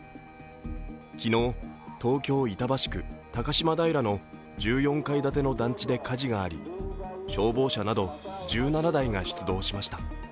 昨日、東京・板橋区高島平の１４階建ての団地で火事があり消防車など１７台が出動しました。